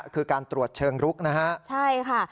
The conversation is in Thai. คือการตรวจเชิงลุกนะฮะใช่ค่ะ